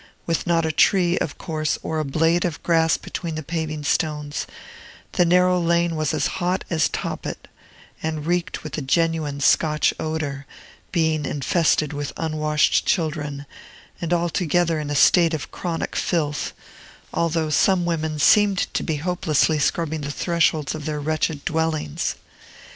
With not a tree, of course, or a blade of grass between the paving stones, the narrow lane was as hot as Topbet, and reeked with a genuine Scotch odor, being infested with unwashed children, and altogether in a state of chronic filth; although some women seemed to be hopelessly scrubbing the thresholds of their wretched dwellings.